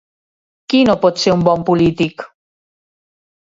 Qui no pot ser un bon polític?